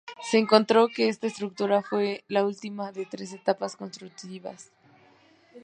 Se encontró que esta estructura fue la última de tres etapas constructivas.